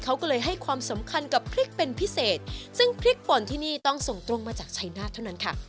เรามีเล็กใหญ่เหลืองขาวุ่นเส้นครับ